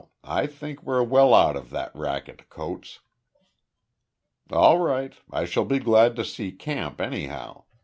I think we're well out of that racket, Coates." "All right. I shall be glad to see camp anyhow.